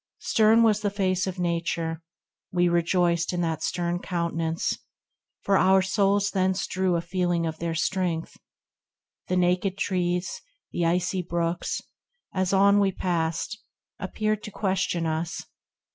Stern was the face of nature ; we rejoiced 12 THE RECLUSE In that stern countenance, for our souls thence drew A feeling of their strength. The naked trees, The icy brooks, as on we passed, appeared To question us.